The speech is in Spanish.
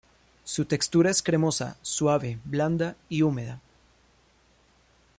Su textura es cremosa, suave, blanda y húmeda.